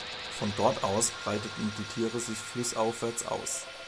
Von dort aus breiteten die Tiere sich flussaufwärts aus.